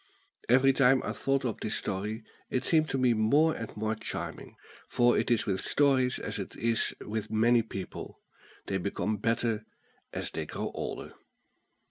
Every time I thought of this story, it seemed to me more and more charming; for it is with stories as it is with many people they become better as they grow older.